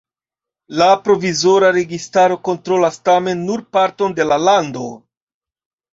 La provizora registaro kontrolas tamen nur parton de la lando.